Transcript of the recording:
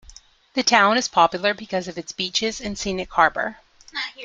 The town is popular because of its beaches and scenic harbor.